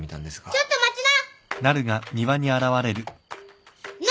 ・ちょっと待った！